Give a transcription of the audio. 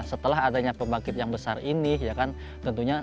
setelah adanya pembangkit yang besar ini ya kan tentunya